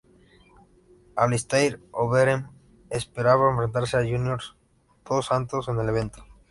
Alistair Overeem esperaba enfrentarse a Junior dos Santos en el evento.